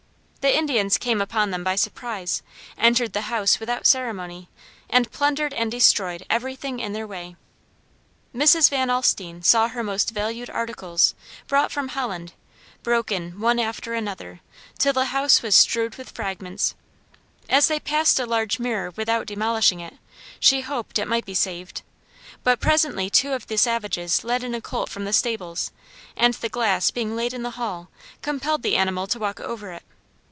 The Indians came upon them by surprise, entered the house without ceremony, and plundered and destroyed everything in their way. "Mrs. Van Alstine saw her most valued articles, brought from Holland, broken one after another, till the house was strewed with fragments. As they passed a large mirror without demolishing it, she hoped it might be saved; but presently two of the savages led in a colt from the stables and the glass being laid in the hall, compelled the animal to walk over it.